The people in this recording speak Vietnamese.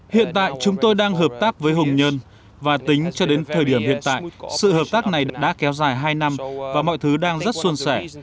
hiện tại chúng tôi đang hợp tác với hùng nhân và tính cho đến thời điểm hiện tại sự hợp tác này đã kéo dài hai năm và mọi thứ đang rất xuân sẻ